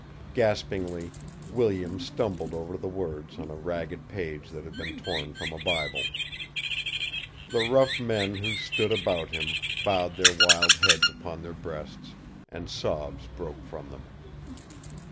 Gaspingly, Williams stumbled over the words on a ragged page that had been torn from a Bible. The rough men who stood about him bowed their wild heads upon their breasts, and sobs broke from them.